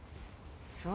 そう。